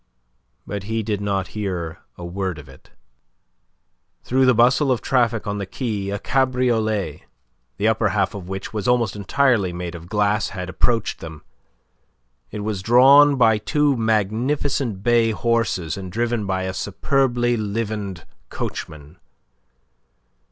But he did not hear a word of it. Through the bustle of traffic on the quay a cabriolet, the upper half of which was almost entirely made of glass, had approached them. It was drawn by two magnificent bay horses and driven by a superbly livened coachman.